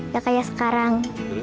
gak kayak sekarang